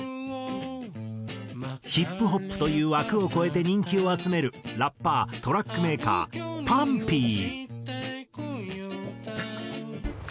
ヒップホップという枠を超えて人気を集めるラッパートラックメーカーＰＵＮＰＥＥ。